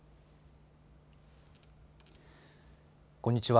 こんにちは。